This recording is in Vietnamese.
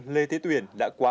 lê thế tuyển